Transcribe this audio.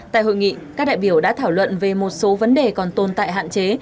tại hội nghị các đại biểu đã thảo luận về một số vấn đề còn tồn tại hạn chế